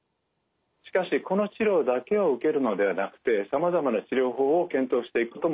しかしこの治療だけを受けるのではなくてさまざまな治療法を検討していくことも大事です。